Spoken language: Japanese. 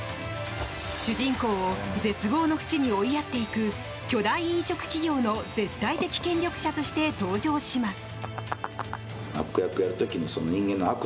主人公を絶望の淵に追いやっていく巨大飲食企業の絶対的権力者として登場します。